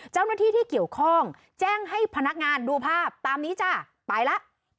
เจ้าหน้าที่ที่เกี่ยวข้องแจ้งให้พนักงานดูภาพตามนี้จ้ะไปแล้ว